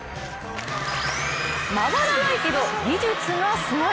回らないけど技術がすごい。